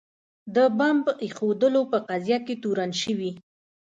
د بمب ایښودلو په قضیه کې تورن شوي.